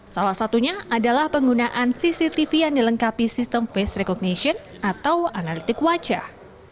salah satunya adalah penggunaan cctv yang dilengkapi sistem face recognition atau analitik wajah